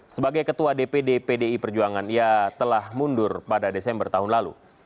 sebagai ketua dpd pdi perjuangan ia telah mundur pada desember tahun lalu